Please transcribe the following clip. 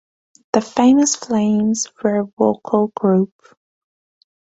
The Famous Flames were a vocal group.